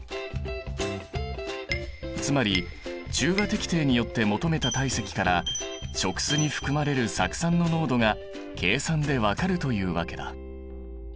つまり中和滴定によって求めた体積から食酢に含まれる酢酸の濃度が計算でわかるというわけだ。